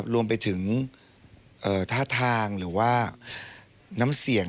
รวมไปถึงท่าทางหรือว่าน้ำเสี่ยง